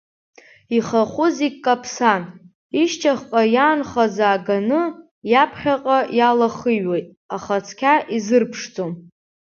Ихахәы зегь каԥсан, ишьҭахьҟа иаанхаз ааганы, иаԥхьаҟа алахиҩоит, аха цқьа изырԥшӡом.